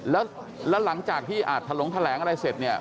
แล้วหลังจากที่อาจถลงแถลงอะไรเสร็จเนี่ย